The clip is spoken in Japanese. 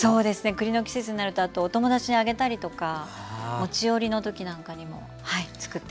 栗の季節になるとお友達にあげたりとか持ち寄りの時なんかにもつくってます。